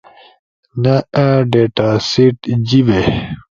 نأ، ڈیٹا سیٹ، جیِبے